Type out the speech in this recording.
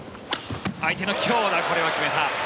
相手の強打これは決めた。